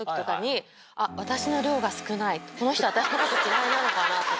この人私のこと嫌いなのかなとか。